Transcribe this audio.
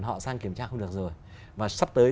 họ sang kiểm tra không được rồi và sắp tới